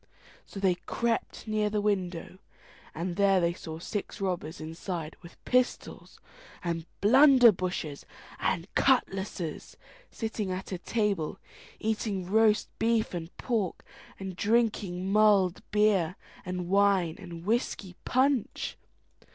So they crept near the window, and there they saw six robbers inside, with pistols, and blunderbushes, and cutlashes, sitting at a table, eating roast beef and pork, and drinking mulled beer, and wine, and whisky punch.